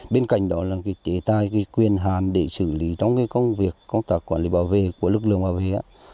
bên cạnh đó là chế tài quyền hàn để xử lý trong công việc công tác quản lý bảo vệ của lực lượng bảo vệ